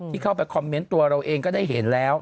เข้าไปคอมเมนต์ตัวเราเองก็ได้เห็นแล้ว